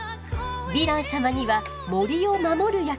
ヴィラン様には森を守る役目もあるのよ。